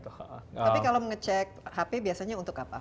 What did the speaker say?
tapi kalau mengecek hp biasanya untuk apa